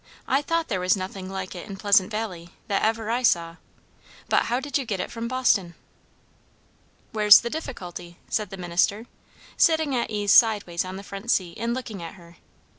I thought there was nothing like it in Pleasant Valley, that ever I saw. But how did you get it from Boston?" "Where's the difficulty?" said the minister, sitting at ease sideways on the front seat and looking in at her.